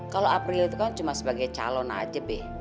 kalau april itu kan cuma sebagai calon aja deh